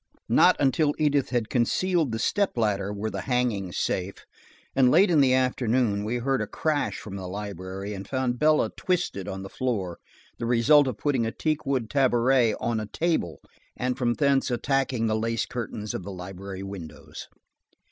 Not until Edith had concealed the step ladder were the hangings safe, and late in the afternoon we heard a crash from the library, and found Bella twisted on the floor, the result of putting a teakwood tabouret on a table and from thence attacking the lace curtains of the library windows.